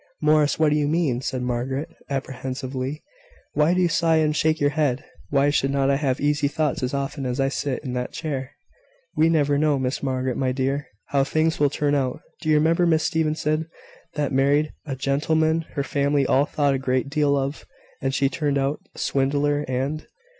"Morris, what do you mean?" said Margaret, apprehensively. "Why do you sigh and shake your head? Why should not I have easy thoughts as often as I sit in that chair?" "We never know, Miss Margaret, my dear, how things will turn out. Do you remember Miss Stevenson, that married a gentleman her family all thought a great deal of, and he turned out a swindler, and